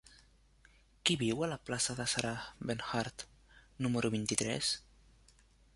Qui viu a la plaça de Sarah Bernhardt número vint-i-tres?